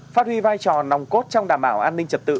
phát huy vai trò nòng cốt trong đảm bảo an ninh trật tự